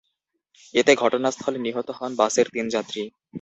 এতে ঘটনাস্থলে নিহত হন বাসের তিন যাত্রী।